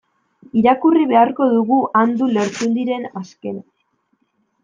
Irakurri beharko dugu Andu Lertxundiren azkena.